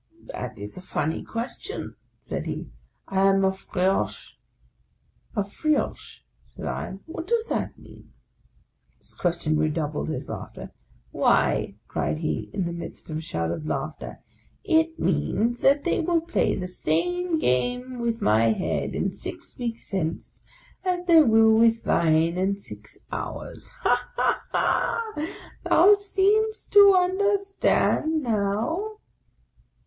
" That is a funny question," said he. " I am a friauche." " A f riauche ?" said I ;" what does that mean ?" This question redoubled his merriment. " Why," cried he, in the midst of a shout of laughter, " it means that they will play the same game with my head in six weeks hence, as they will with thine in six hours! Ha! ha! ha ! thou seem'st to understand now